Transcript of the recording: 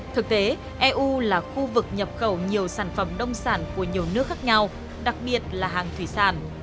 thực tế eu là khu vực nhập khẩu nhiều sản phẩm nông sản của nhiều nước khác nhau đặc biệt là hàng thủy sản